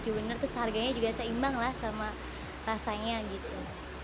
bener terus harganya juga seimbang lah sama rasanya gitu